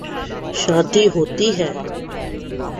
شادی ہوتی ہے۔